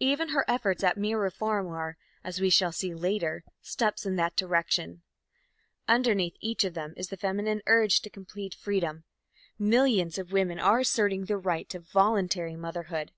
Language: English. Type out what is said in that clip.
Even her efforts at mere reform are, as we shall see later, steps in that direction. Underneath each of them is the feminine urge to complete freedom. Millions of women are asserting their right to voluntary motherhood.